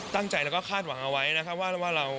ตั้งใจแล้วก็คาดหวังเอาไว้นะครับว่าเรา